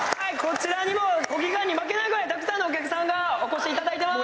国技館に負けないぐらい、たくさんのお客さんがお越しいただいています。